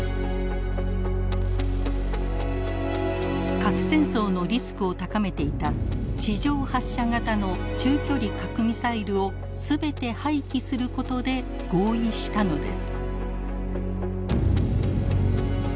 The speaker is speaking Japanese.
核戦争のリスクを高めていた地上発射型の中距離核ミサイルを全て廃棄することで合意したのです。